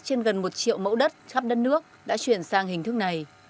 trên gần một triệu mẫu đất khắp đất nước đã chuyển sang hình thức này